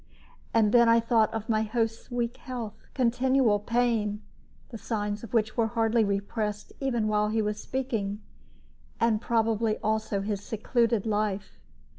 And then I thought of my host's weak health, continual pain (the signs of which were hardly repressed even while he was speaking), and probably also his secluded life.